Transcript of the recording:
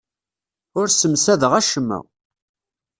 Ur ssemsadeɣ acemma.